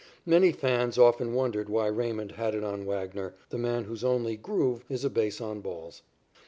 Many fans often wondered why Raymond had it on Wagner, the man whose only "groove" is a base on balls.